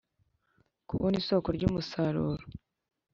Kubona isoko ry umusaruro